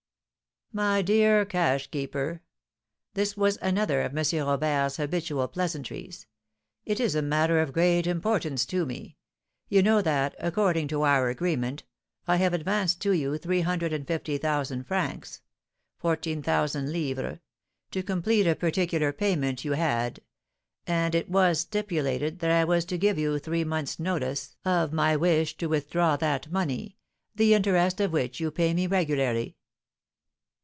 "My dear cashkeeper" (this was another of M. Robert's habitual pleasantries), "it is a matter of great importance to me. You know that, according to our agreement, I have advanced to you three hundred and fifty thousand francs (14,000_l._) to complete a particular payment you had; and it was stipulated that I was to give you three months' notice of my wish to withdraw that money, the interest of which you pay me regularly."